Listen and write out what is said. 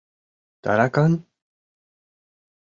— Таракан?!..